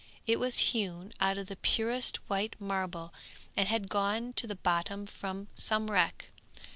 It was hewn out of the purest white marble and had gone to the bottom from some wreck.